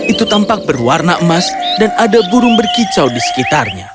itu tampak berwarna emas dan ada burung berkicau di sekitarnya